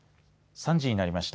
３時になりました。